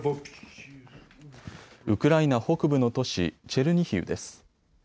ウクライナ北部の都市、チェルニヒウです。